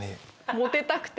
「モテたくて」。